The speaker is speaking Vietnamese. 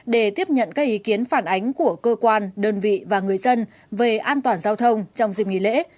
để tiếp nhận các ý kiến phản ánh của cơ quan đơn vị và người dân về an toàn giao thông trong dịp nghỉ lễ